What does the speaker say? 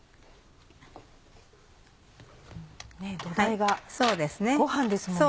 土台がごはんですもんね。